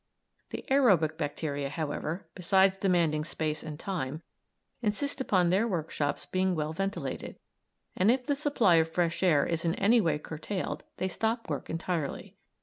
The aërobic bacteria, however, besides demanding space and time, insist upon their workshops being well ventilated, and if the supply of fresh air is in any way curtailed they stop work entirely.